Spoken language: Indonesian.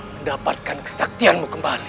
mendapatkan kesaktianmu kembali